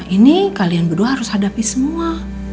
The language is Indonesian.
ini kalian berdua harus hadapi semua